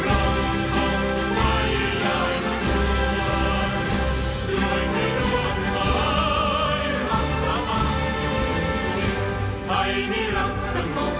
แต่ทุกรบไม่กล้าเอกราชจะไม่ให้ใครความเพลง